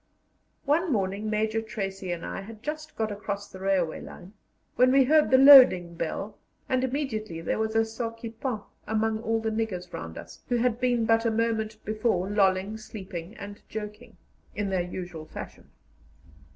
One morning Major Tracy and I had just got across the railway line, when we heard the loading bell, and immediately there was a sauve qui pent among all the niggers round us, who had been but a moment before lolling, sleeping, and joking, in their usual fashion.